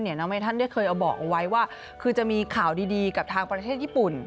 น้องไททันได้เคยเอาบอกเอาไว้ว่าคือจะมีข่าวดีกับทางประเทศญี่ปุ่น